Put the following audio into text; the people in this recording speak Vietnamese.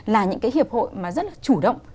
là những cái hiệp hội mà rất là chủ động